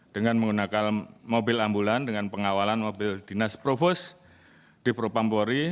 dengan menggunakan mobil ambulan dengan pengawalan mobil dinas provos di propampori